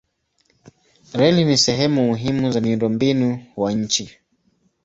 Reli ni sehemu muhimu za miundombinu wa nchi.